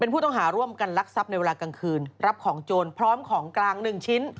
ผู้ต้องหาร่วมกันลักทรัพย์ในเวลากลางคืนรับของโจรพร้อมของกลาง๑ชิ้น